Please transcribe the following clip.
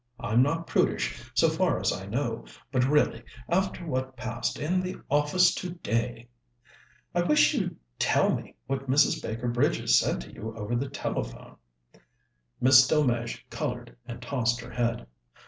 I'm not prudish, so far as I know, but really, after what passed in the office today " "I wish you'd tell me what Mrs. Baker Bridges said to you over the telephone." Miss Delmege coloured and tossed her head.